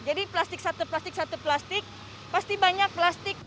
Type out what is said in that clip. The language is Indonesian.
jadi plastik satu plastik satu plastik pasti banyak plastik